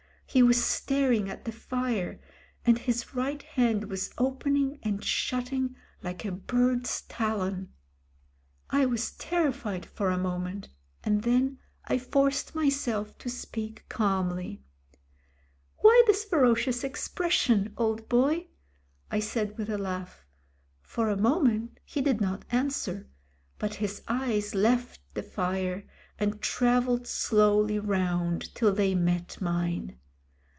He was staring at the fire, and his right hand was opening aiid shutting like a bird's talon. I was terrified for a moment, and then I forced myself to speak calmly. " *Why this ferocious expression, old boy,' I said. THE DEATH GRIP 195 with a laugh. For a moment he did not answer, but his eyes left the fire,, and travelled slowly round till they met mine.